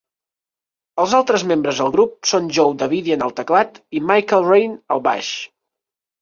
Els altres membres del grup són Joe Davidian al teclat i Michael Rinne al baix.